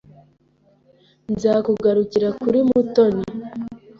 Nzakugarukira kuri Mutoni.